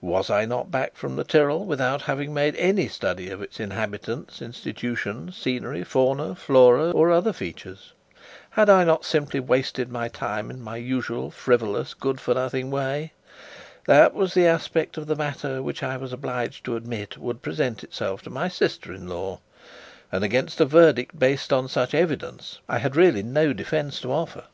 Was I not back from the Tyrol, without having made any study of its inhabitants, institutions, scenery, fauna, flora, or other features? Had I not simply wasted my time in my usual frivolous, good for nothing way? That was the aspect of the matter which, I was obliged to admit, would present itself to my sister in law; and against a verdict based on such evidence, I had really no defence to offer.